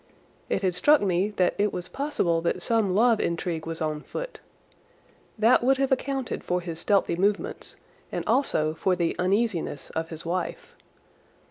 It had struck me that it was possible that some love intrigue was on foot. That would have accounted for his stealthy movements and also for the uneasiness of his wife.